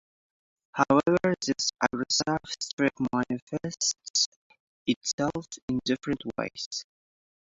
However, this aggressive streak manifests itself in different ways.